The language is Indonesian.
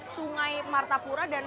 sungai martapura dan